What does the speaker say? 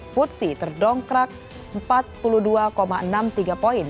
futsi terdongkrak empat puluh dua enam puluh tiga poin